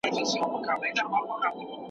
د دې پېښو له امله يوروپول پلټنې پيل کړې.